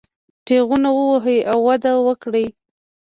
تېغونه ووهي او وده وکړي.